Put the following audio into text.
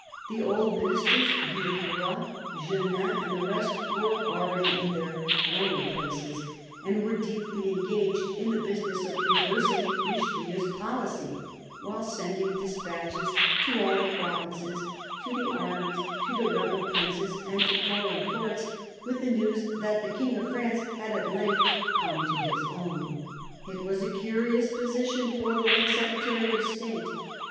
The old Ministers, Villeroy, Jeannin and the rest, were already in their former places, and were deeply engaged in the business of reversing Richelieu's policy ; while sending despatches to all the provinces, to the armies, to the rebel princes and to foreign courts with the news that the King of France had at length come to his own. It was a curious position for the late Secretary of State.